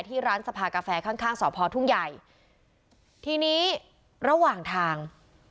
ที่ร้านสภากาแฟข้างข้างสพทุ่งใหญ่ทีนี้ระหว่างทาง